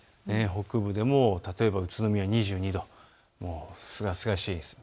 北部でも例えば宇都宮２２度、すがすがしいです。